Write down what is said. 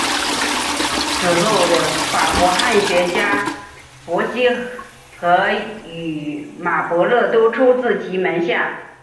此后的法国汉学家伯希和与马伯乐都出自其门下。